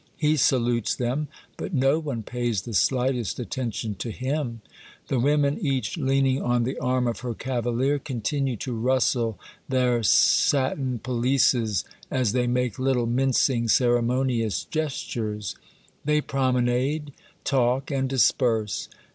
He salutes them, but no one pays the slightest atten tion to him. The women, each leaning on the arm of her cavalier, continue to rustle their satin pel 256 Monday Tales. isses as they make little, mincing, ceremonious gestures. They promenade, talk, and disperse.